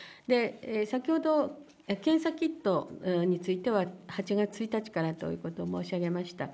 先ほど、検査キットについては８月１日からということを申し上げました。